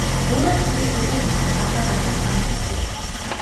Өөрөө л мэдээд хөдөө хөхөрч, гадаа гандвал гандана л биз.